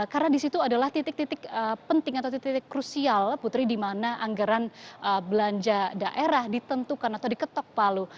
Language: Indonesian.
karena disitu adalah titik titik penting atau titik titik krusial putri di mana anggaran belanja daerah ditentukan atau diketok palu